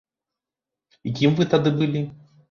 І кім вы тады былі?